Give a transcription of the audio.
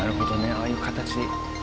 ああいう形に。